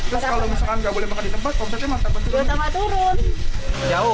terus kalau misalkan tidak boleh makan di tempat omsetnya mana